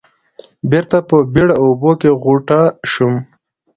بېرته په بېړه اوبو کې غوټه شوم.